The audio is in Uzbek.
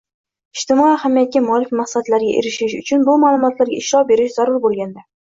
ijtimoiy ahamiyatga molik maqsadlarga erishish uchun bu ma’lumotlarga ishlov berish zarur bo‘lganda;